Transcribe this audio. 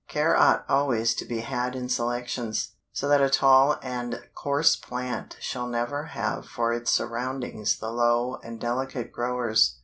Care ought always to be had in selections, so that a tall and coarse plant shall never have for its surroundings the low and delicate growers.